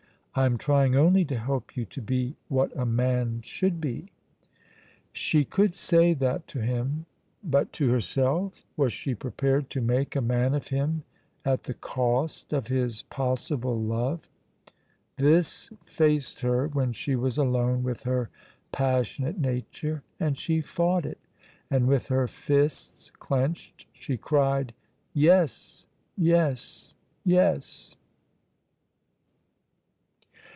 I am trying only to help you to be what a man should be." She could say that to him, but to herself? Was she prepared to make a man of him at the cost of his possible love? This faced her when she was alone with her passionate nature, and she fought it, and with her fists clenched she cried: "Yes, yes, yes!"